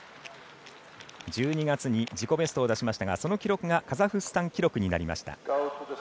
１２月に自己ベストを出しましたがカザフスタン記録になりました。